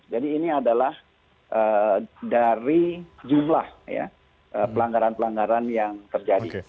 jadi ini adalah dari jumlah pelanggaran pelanggaran yang terjadi